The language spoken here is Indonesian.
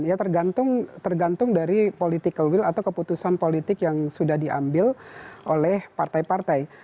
ya tergantung dari political will atau keputusan politik yang sudah diambil oleh partai partai